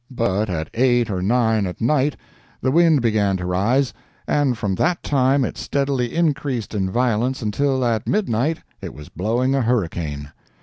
But at 8 or 9 at night the wind began to rise, and from that time it steadily increased in violence until, at midnight, it was blowing a hurricane.